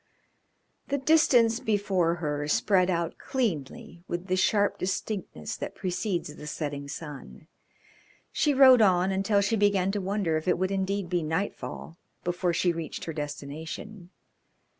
The distance before her spread out cleanly with the sharp distinctness that precedes the setting sun. She rode on until she began to wonder if it would indeed be night fall before she reached her destination.